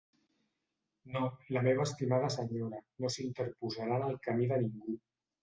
No, la meva estimada senyora, no s'interposarà en el camí de ningú.